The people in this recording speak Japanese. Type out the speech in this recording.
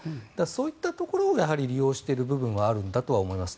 そういったところを利用している部分はあるんだと思います。